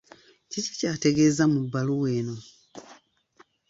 Kiki ky'ategeeza mu bbaluwa eno?